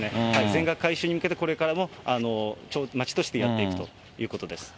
全額回収に向けてこれからも町としてやっていくということです。